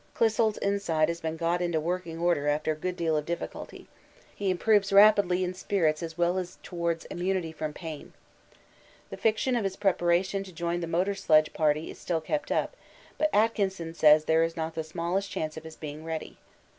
Clissold's inside has been got into working order after a good deal of difficulty; he improves rapidly in spirits as well as towards immunity from pain. The fiction of his preparation to join the motor sledge party is still kept up, but Atkinson says there is not the smallest chance of his being ready.